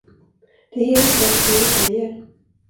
Det är helt rätt som du säger.